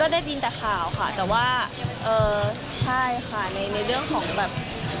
ได้ยินแต่ข่าวค่ะแต่ว่าเออใช่ค่ะในเรื่องของแบบ